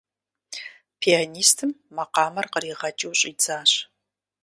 Пианистым макъамэр къригъэкӀыу щӀидзащ.